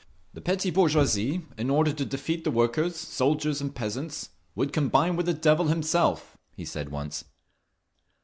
"The petty bourgeoisie, in order to defeat the workers, soldiers and peasants, would combine with the devil himself!" he said once.